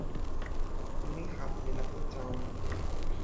তুমি হাত মেলাতে চাওনি।